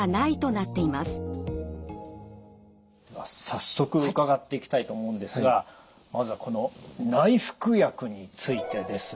早速伺っていきたいと思うんですがまずはこの内服薬についてです。